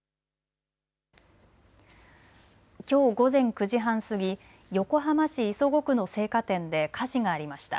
きょう午前９時半過ぎ、横浜市磯子区の青果店で火事がありました。